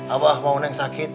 abah mau neng sakit